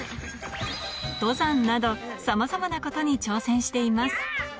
登山など、さまざまなことに挑戦しています。